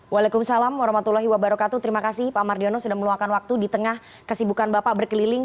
waalaikumsalam warahmatullahi wabarakatuh terima kasih pak mardiono sudah meluangkan waktu di tengah kesibukan bapak berkeliling